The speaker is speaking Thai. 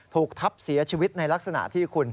ถูกทับเสียชีวิตในลักษณะที่คุณ